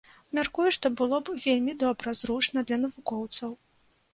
Мяркую, што было б вельмі добра, зручна для навукоўцаў.